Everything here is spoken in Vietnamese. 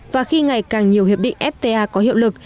và khi ngày càng nhiều hiệp định fta có hiệu lực